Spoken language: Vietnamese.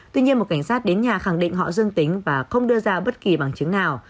tuy nhiên một cảnh sát đến nhà khẳng định họ dương tính và không đưa ra bất kỳ bằng chứng nào